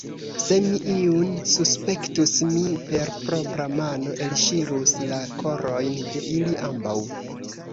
Se mi iun suspektus, mi per propra mano elŝirus la korojn de ili ambaŭ!